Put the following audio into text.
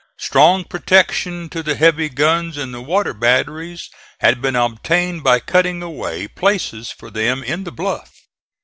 Strong protection to the heavy guns in the water batteries had been obtained by cutting away places for them in the bluff.